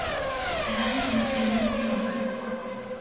À l'arrière d'un camion et un bol en bois.